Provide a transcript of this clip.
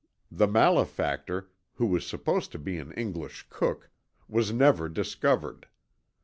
The malefactor, who was supposed to be an English cook, was never discovered.